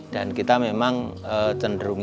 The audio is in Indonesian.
dan kita memang cenderung